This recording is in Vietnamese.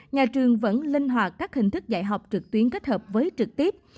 nhà trường vẫn linh hoạt các hình thức dạy học trực tuyến kết hợp với trực tiếp